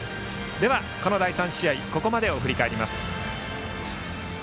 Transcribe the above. では、第３試合のここまでを振り返ります。